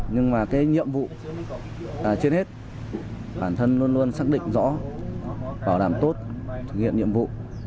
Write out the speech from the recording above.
nhưng nhiệm vụ trên hết bản thân luôn xác định rõ bảo đảm tốt thực hiện nhiệm vụ